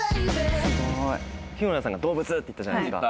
日村さんが動物って言ったじゃないですか。